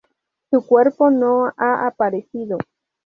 Su cuerpo no ha aparecido.